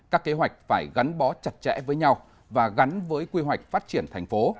các kế hoạch phải gắn bó chặt chẽ với nhau và gắn với quy hoạch phát triển thành phố